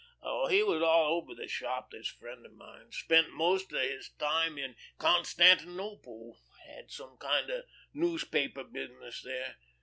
He was all over the shop, this friend of mine; spent most of his time in Constantinople; had some kind of newspaper business there.